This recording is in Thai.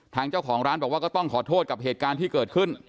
ทางเจ้าของร้านบอกว่าก็ต้องขอโทษกับเหตุการณ์ที่เกิดขึ้น